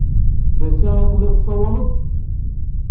F batta i tellid tessawaled?